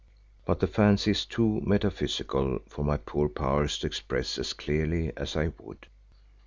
But the fancy is too metaphysical for my poor powers to express as clearly as I would.